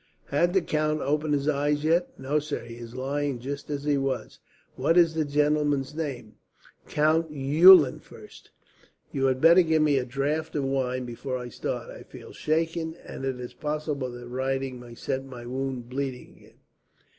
"Has the count opened his eyes yet?" "No, sir. He is lying just as he was." "What is the gentleman's name?" "Count Eulenfurst." "You had better give me a draught of wine, before I start. I feel shaken, and it is possible that riding may set my wound bleeding again."